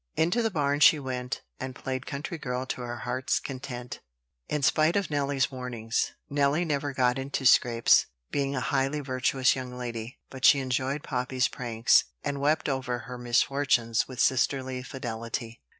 Into the barn she went, and played country girl to her heart's content, in spite of Nelly's warnings. Nelly never got into scrapes, being a highly virtuous young lady; but she enjoyed Poppy's pranks, and wept over her misfortunes with sisterly fidelity.